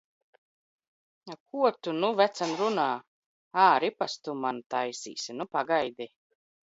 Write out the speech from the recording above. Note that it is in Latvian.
A, ko tu nu, vecen, runā! Ā, ripas tu man taisīsi! Nu pagaidi!